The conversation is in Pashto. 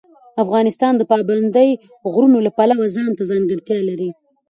افغانستان د پابندی غرونه د پلوه ځانته ځانګړتیا لري.